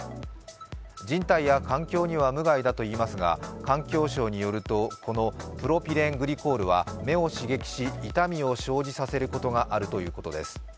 人体や環境には無害だといいますが、環境省によるとこのプロピレングリコールは目を刺激し痛みを生じさせることがあるということです。